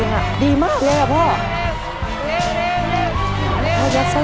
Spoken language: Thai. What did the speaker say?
นี่เขาแข่งกับเวลานะ